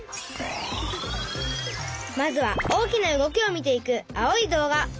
まずは大きな動きを見ていく青い動画。